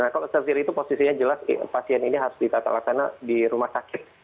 nah kalau severe itu posisinya jelas pasien ini harus ditatalkan di rumah sakit